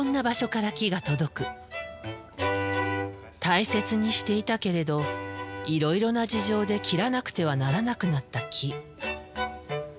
大切にしていたけれどいろいろな事情で切らなくてはならなくなった木。